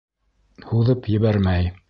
Һуҙып ебәрмәй.